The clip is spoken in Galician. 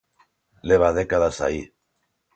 Leva décadas aí.